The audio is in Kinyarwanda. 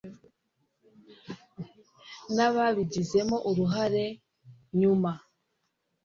n ababigizemo uruhare nyuma